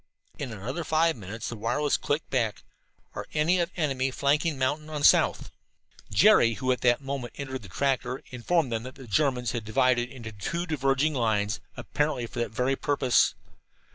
In another five minutes the wireless clicked back: "Are any of enemy flanking mountain on south?" Jerry, who at that moment entered the tractor, informed them that the Germans had divided into two diverging lines, apparently for that very purpose.